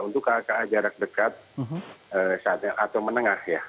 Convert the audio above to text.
untuk ka ka jarak dekat atau menengah ya